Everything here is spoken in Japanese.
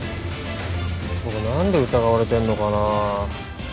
僕何で疑われてんのかなぁ？